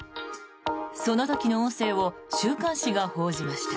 その時の音声を週刊誌が報じました。